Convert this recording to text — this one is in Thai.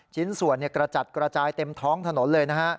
ชิ้นส่วนกระจัดกระจายเต็มท้องถนนเลยนะฮะ